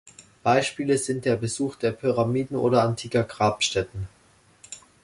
Beispiele sind der Besuch der Pyramiden oder antiker Grabstätten.